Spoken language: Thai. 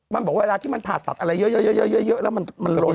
มันบอกเวลาที่มันผ่าตัดอะไรเยอะแล้วมันล้น